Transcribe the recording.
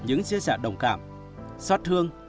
những chia sẻ đồng cảm xót thương